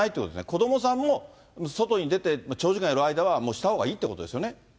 子どもさんも外に出て、長時間いる間は、したほうがいいっていうことですよね。